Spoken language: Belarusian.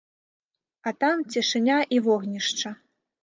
А там цішыня і вогнішча.